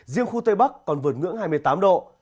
riêng khu tây bắc còn vượt ngưỡng hai mươi tám độ